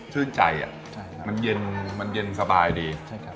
ชื่นใจอ่ะใช่ครับมันเย็นมันเย็นสบายดีใช่ครับ